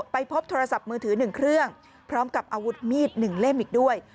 ไปพบโทรศัพท์มือถือ๑เครื่องพร้อมกับอาวุธมีด๑เล่มอีกด้วย